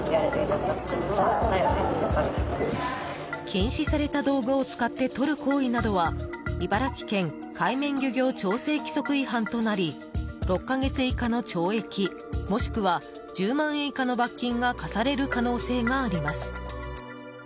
禁止された道具を使ってとる行為などは茨城県海面漁業調整規則違反となり６か月以下の懲役、もしくは１０万円以下の罰金が科される可能性があります。